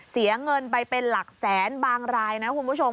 เสียเงินไปเป็นหลักแสนบางรายนะคุณผู้ชม